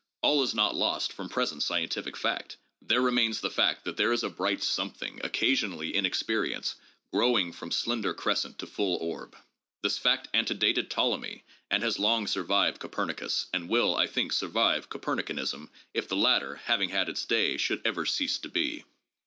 All is not lost from present scientific fact; there remains the fact that there is a bright something occasionally in experience, growing from slender crescent to full orb. This fact antedated Ptolemy and has long survived Copernicus, and will, I think, survive Copernicanism if the latter, having had its day, should ever cease to be.